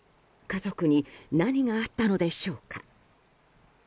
家族に何があったのでしょうか。